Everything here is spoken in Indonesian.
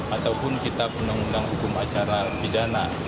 ataupun kita penuh undang hukum acara pidana